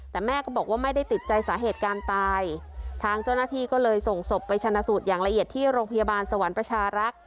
แต่แม่ก็บอกว่าไม่ได้ติดใจสาเหตุการตายทางเจ้าหน้าที่ก็เลยส่งศพไปชนะสูตรอย่างละเอียดที่โรงพยาบาลสวรรค์ประชารักษ์